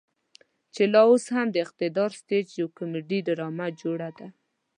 چې لا اوس هم د اقتدار سټيج يوه کميډي ډرامه جوړه ده.